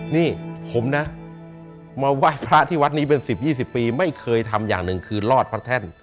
นี่ผมนะมาไหว้พระที่วัดนี้เป็น๑๐๒๐ปีไม่เคยทำอย่างหนึ่งคือรอดพระแท่น